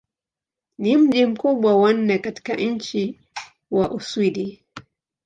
Ni mji mkubwa wa nne katika nchi wa Uswidi.